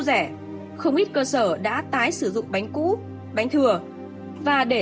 rẻ không ít cơ sở đã tái sử dụng bánh cũ bánh thừa và để